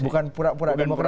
bukan pura pura demokrasi